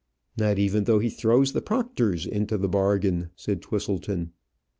"Not even though he throws the proctor's into the bargain," said Twisleton.